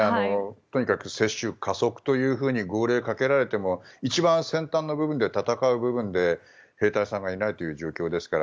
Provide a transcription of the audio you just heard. とにかく接種加速と号令をかけられても一番先端の部分で戦う部分で兵隊さんがいない状況ですから。